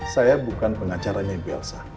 saya bukan pengacaranya ibu elsa